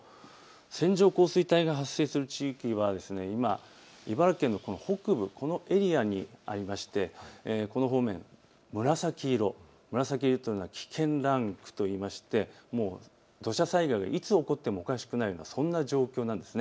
線状降水帯が発生する地域は今、茨城県の北部、このエリアにありましてこの方面、紫色というのは危険ランクといいまして土砂災害がいつ起こってもおかしくないようなそんな状況なんです。